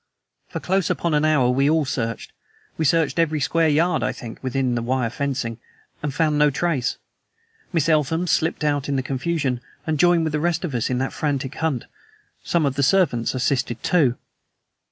For close upon an hour we all searched. We searched every square yard, I think, within the wire fencing, and found no trace. Miss Eltham slipped out in the confusion, and joined with the rest of us in that frantic hunt. Some of the servants assisted too.